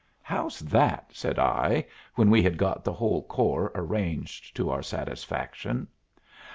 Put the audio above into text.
"How's that?" said I, when we had got the whole corps arranged to our satisfaction.